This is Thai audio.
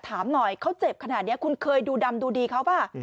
ถามหน่อยเขาเจ็บขนาดนี้คุณเคยดูดำดูดีเขาป่ะ